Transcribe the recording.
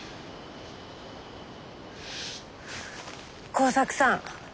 耕作さん